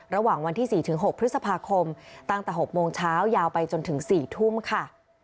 ระหว่างวันที่๔๖พฤษภาคมตั้งแต่๖โมงเช้ายาวไปจนถึง๔ทุ่มค่ะ